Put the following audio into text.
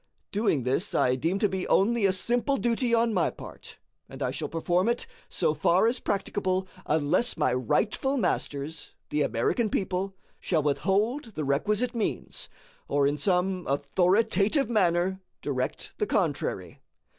Doing this I deem to be only a simple duty on my part; and I shall perform it so far as practicable, unless my rightful masters, the American people, shall withhold the requisite means, or in some authoritative manner direct the contrary.